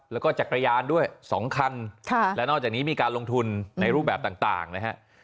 แล้วก็จักรยานด้วย๒คันและนอกจากนี้มีการลงทุนในรูปแบบต่างนะฮะ